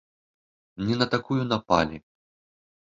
Не на такую напалі.